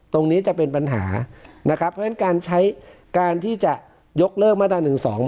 ตรงนี้จะเป็นปัญหานะครับเพราะฉะนั้นการใช้การที่จะยกเลิกมาตรา๑๒